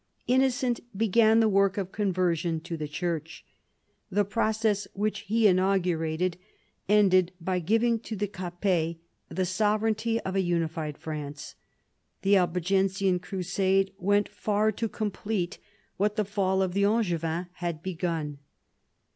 Innocent began the work of conversion to the Church. The process which he inaugurated ended by giving to the Capets the sovereignty of an united France. The Albigensian crusade went far to complete what the fall of the Angevins had begun.